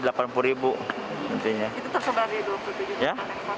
itu tersebar di dua puluh tujuh kabupaten kota